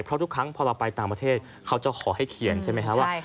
เพราะทุกครั้งพอเราไปต่างประเทศเขาจะขอให้เขียนใช่ไหมครับว่า